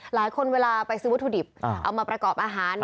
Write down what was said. เวลาไปซื้อวัตถุดิบเอามาประกอบอาหาร